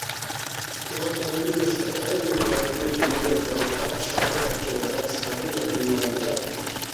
تیا پیروڈی نوشتہ کرینے براہوئی نا پنی آ زانتکار شاعر ڈاکٹر رزاق صابر نا ایماندار